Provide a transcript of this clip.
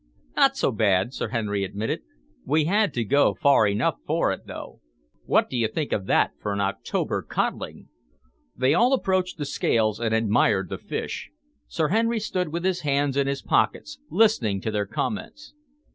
"Not so bad," Sir Henry admitted. "We had to go far enough for it, though. What do you think of that for an October codling?" They all approached the scales and admired the fish. Sir Henry stood with his hands in his pockets, listening to their comments.